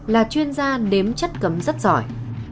là chuyên gia đếm chất cấm rất giỏi